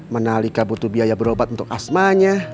menalika butuh biaya berobat untuk asmanya